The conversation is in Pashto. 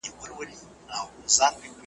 رسمي مراسم ځانګړی نظم لري.